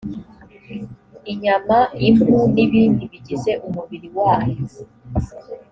inyama impu n ibindi bigize umubiri w ayo